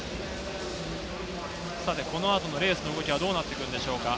さて、このあとのレースの動きはどうなってくるんでしょうか。